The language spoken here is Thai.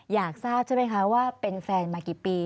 อยากทราบใช่ไหมคะว่าเป็นแฟนมากี่ปี